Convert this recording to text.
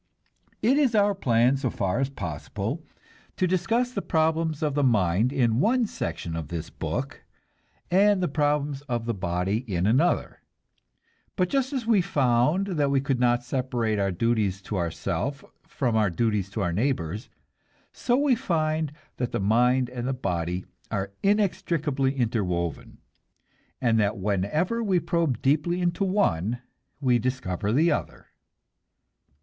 It is our plan, so far as possible, to discuss the problems of the mind in one section of this book, and the problems of the body in another; but just as we found that we could not separate our duties to ourself from our duties to our neighbors, so we find that the mind and the body are inextricably interwoven, and that whenever we probe deeply into one, we discover the other.